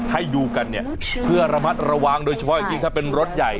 ให้ดูกันเนี่ยเพื่อระมัดระวังโดยเฉพาะอย่างยิ่งถ้าเป็นรถใหญ่